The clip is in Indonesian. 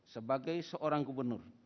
sebagai seorang gubernur